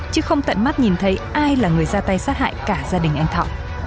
chứ không tận mắt nhìn thấy ai là người ra tay sát hại cả gia đình anh thọ